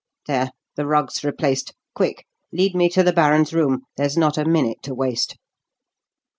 There! the rug's replaced. Quick! lead me to the baron's room there's not a minute to waste."